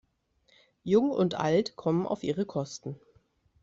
Jung und Alt kommen auf ihre Kosten.